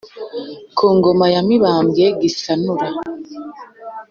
ku ngoma ya mibambwe gisanura.